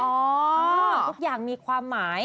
ทุกอย่างมีความหมาย